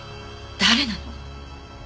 誰なの？